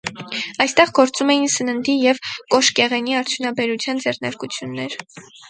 Այստեղ գործում էին սննդի և կոշկեղենի արդյունաբերության ձեռնարկություններ։